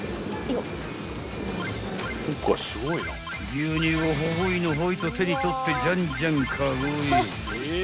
［牛乳をほほいのほいと手に取ってじゃんじゃんカゴへ］